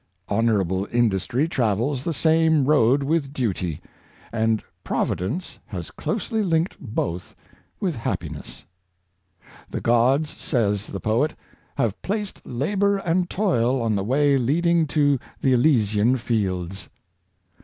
Honorable industr}^ travels the same road with duty; and Provi dence has closely linked both with happiness. The gods, says the poet, have placed labor and toil on the way leading to the Elysian fields.